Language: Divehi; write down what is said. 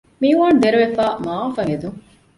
މިއުވާން ދެރަވެފައި މަޢާފަށް އެދުން